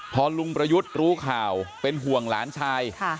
พอลุงประยุทธ์รู้ข่าวเป็นห่วงหลานชาย